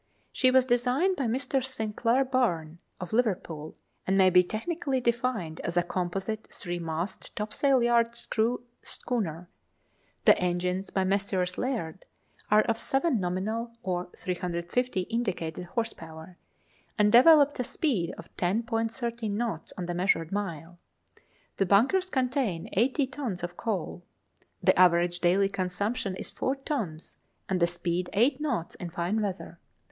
She was designed by Mr. St. Clare Byrne, of Liverpool, and may be technically defined as a composite three masted topsail yard screw schooner. The engines, by Messrs. Laird, are of 70 nominal or 350 indicated horse power, and developed a speed of 10.13 knots on the measured mile. The bunkers contain 80 tons of coal. The average daily consumption is four tons, and the speed eight knots in fine weather.